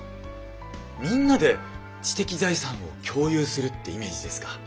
みんなで知的財産を共有するってイメージですか。